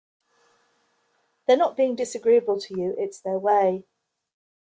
They’re not being disagreeable to you — it’s their way.